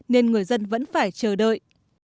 nên người dân vẫn phải chờ đợi